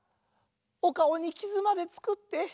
おかおにきずまでつくって。